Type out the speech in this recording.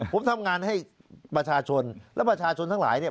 ผมทำงานให้ประชาชนและประชาชนทั้งหลายเนี่ย